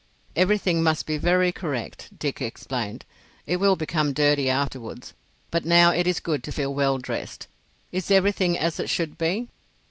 "Everything must be very correct," Dick explained. "It will become dirty afterwards, but now it is good to feel well dressed. Is everything as it should be?"